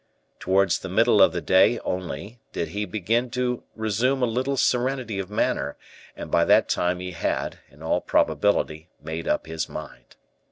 Towards the middle of the day only did he begin to resume a little serenity of manner, and by that time he had, in all probability, made up his mind.